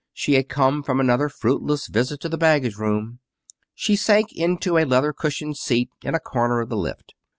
She had come from another fruitless visit to the baggage room. She sank into a leather cushioned seat in a corner of the lift.